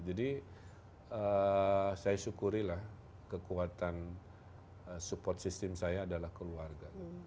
saya syukurilah kekuatan support system saya adalah keluarga